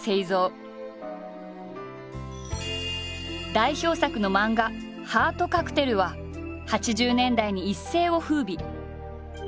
代表作の漫画「ハートカクテル」は８０年代に一世を風靡。